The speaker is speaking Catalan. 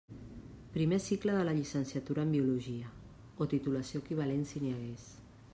Primer cicle de la Llicenciatura en Biologia, o titulació equivalent si n'hi hagués.